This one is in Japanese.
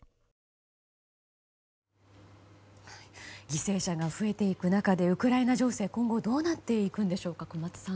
犠牲者が増えていく中でウクライナ情勢、今後どうなっていくんでしょうか。